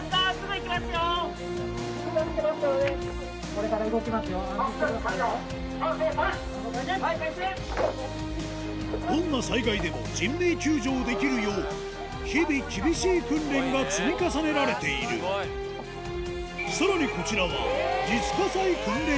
こちらはどんな災害でも人命救助をできるよう日々厳しい訓練が積み重ねられているさらにこちらは偉いな。